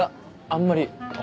あんまり？